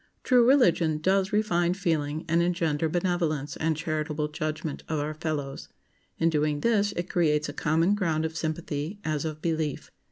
True religion does refine feeling and engender benevolence and charitable judgment of our fellows. In doing this, it creates a common ground of sympathy, as of belief.